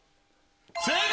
正解！